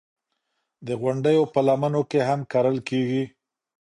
د غونډیو په لمنو کې هم کرل کېږي.